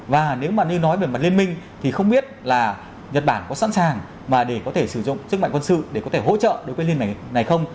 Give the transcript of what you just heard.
và nếu mà như nói về mặt liên minh thì không biết là nhật bản có sẵn sàng mà để có thể sử dụng sức mạnh quân sự để có thể hỗ trợ đối với liên minh này không